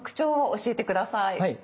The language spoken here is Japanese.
はい。